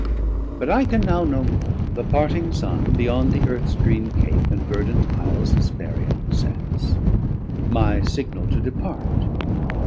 But I can now no more; the parting Sun 630 Beyond the Earths green Cape and verdant Isles Hesperean sets, my Signal to depart.